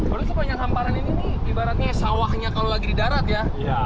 kalau kita penyamparan ini ini ibaratnya sawahnya kalau lagi di darat ya